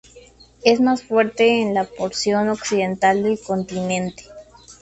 Es más fuerte en la porción occidental del continente.